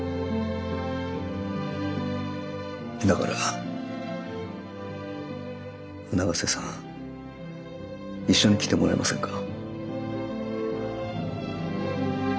だから永瀬さん一緒に来てもらえませんか？